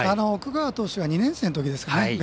奥川投手が２年生のときですね